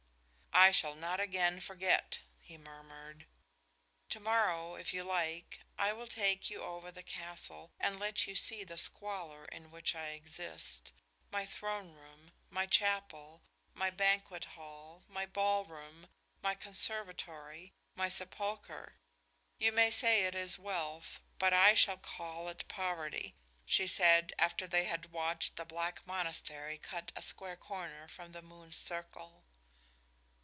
"I shall not again forget," he murmured. "To morrow, if you like, I will take you over the castle and let you see the squalor in which I exist, my throne room, my chapel, my banquet hall, my ball room, my conservatory, my sepulchre. You may say it is wealth, but I shall call it poverty," she said, after they had watched the black monastery cut a square corner from the moon's circle.